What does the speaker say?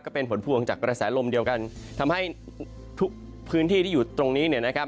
เป็นผลพวงจากกระแสลมเดียวกันทำให้ทุกพื้นที่ที่อยู่ตรงนี้เนี่ยนะครับ